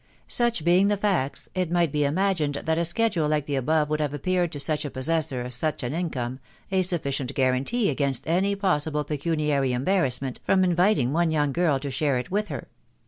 Such being the facts, it might be imagined that a schedule like the above would have appeared to such a possessor of such an income a sufficient guarantee against any possible pecuniary embarrassment from inviting one young girl to share it with her.